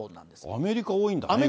アメリカ、多いんだ、意外と。